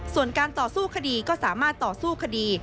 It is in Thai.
ส่วนการต่อสู้คดีก็สามารถต่อสู้คดี